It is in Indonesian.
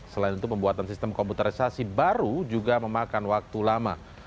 selain itu pembuatan sistem komputerisasi baru juga memakan waktu lama